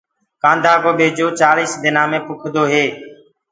ڪآنڌآ ڪو ٻيجو چآززݪيِس دنآ مي تآر هوندو هي۔